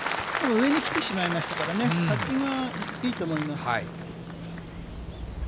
上にきてしまいましたからね、パッティングはいいと思います。